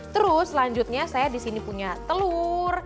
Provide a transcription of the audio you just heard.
terus selanjutnya saya disini punya telur